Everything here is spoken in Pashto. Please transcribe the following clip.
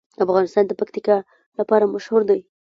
افغانستان د پکتیکا لپاره مشهور دی.